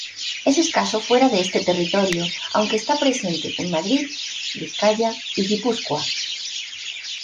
Es escaso fuera de este territorio aunque está presente en Madrid, Vizcaya y Guipúzcoa.